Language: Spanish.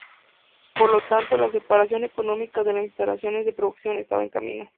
Por lo tanto, la separación económica de las instalaciones de producción estaba en camino.